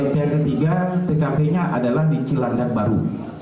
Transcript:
lp yang ketiga tkp nya adalah di cilanggat baru